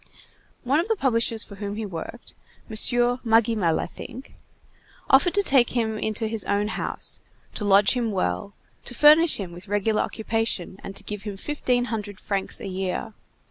One of the publishers for whom he worked, M. Magimel, I think, offered to take him into his own house, to lodge him well, to furnish him with regular occupation, and to give him fifteen hundred francs a year.